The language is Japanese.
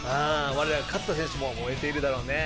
我らが勝田選手も燃えているだろうね。